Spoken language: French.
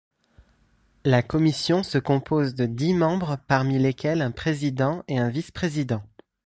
La Commission se compose de dix membres parmi lesquels un président et un vice-président.